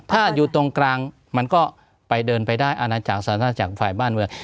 ถ้าอยู่ตรงกลางมันก็ไปเดินไปได้อาณาจักรสาธารณจักรฝ่ายบ้านเมือง